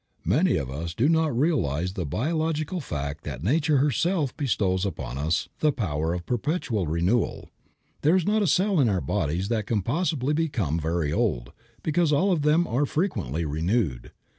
Many of us do not realize the biological fact that Nature herself bestows upon us the power of perpetual renewal. There is not a cell in our bodies that can possibly become very old, because all of them are frequently renewed.